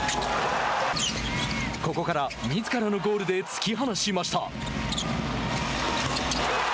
ここから、みずからのゴールで突き放しました。